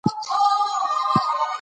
د میر اکبر خیبر وژنه